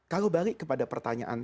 kalau balik kepada pertanyaan